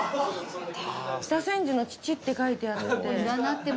「北千住の父」って書いてあって。